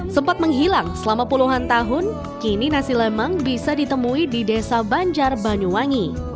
sempat menghilang selama puluhan tahun kini nasi lemang bisa ditemui di desa banjar banyuwangi